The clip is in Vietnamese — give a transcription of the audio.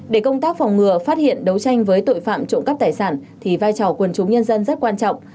để công tác phòng ngừa phát hiện đấu tranh với tội phạm trộm cắp tài sản thì vai trò quần chúng nhân dân rất quan trọng